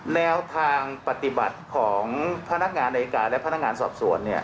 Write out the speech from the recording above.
แนวทางปฏิบัติของพนักงานอายการและพนักงานสอบสวน